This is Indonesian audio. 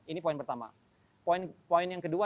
ini poin pertama poin yang kedua